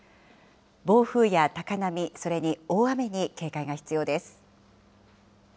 暴風や高波、それに大雨に警戒が必要です。